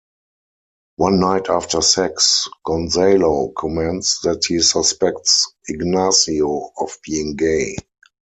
One night after sex, Gonzalo comments that he suspects Ignacio of being gay.